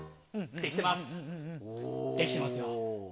できてますよ。